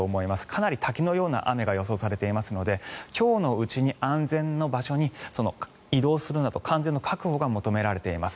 かなり、滝のような雨が予想されていますので今日のうちに安全な場所に移動するなど安全の確保が求められています。